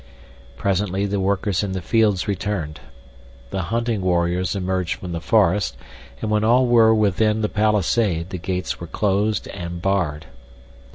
Presently the workers in the fields returned. The hunting warriors emerged from the forest, and when all were within the palisade the gates were closed and barred.